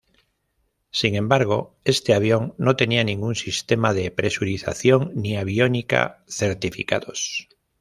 Sin embargo, este avión no tenía ningún sistema de presurización ni aviónica certificados.